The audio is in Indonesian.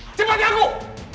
aku pasti ketahuan